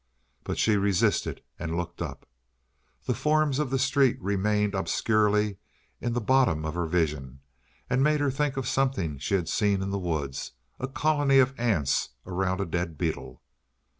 But she resisted and looked up. The forms of the street remained obscurely in the bottom of her vision, and made her think of something she had seen in the woods a colony of ants around a dead beetle.